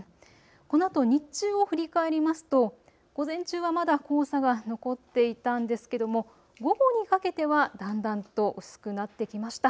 このあと日中を振り返りますと午前中はまだ黄砂が残っていたんですけども、午後にかけてはだんだんと薄くなってきました。